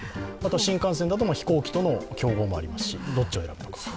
新幹線だと飛行機との競合もありますしどっちを選ぶか。